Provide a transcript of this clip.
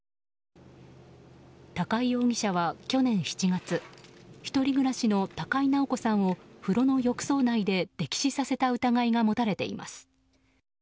高井容疑者は去年７月１人暮らしの高井直子さんを風呂の浴槽内で溺死させた疑いが持たれています。